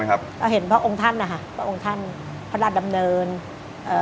เราเห็นพระองค์ท่านนะคะพระองค์ท่านพระราชดำเนินเอ่อ